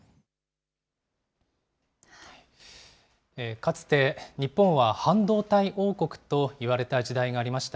かつて日本は半導体王国といわれた時代がありました。